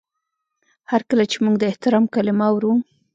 هر کله چې موږ د احترام کلمه اورو.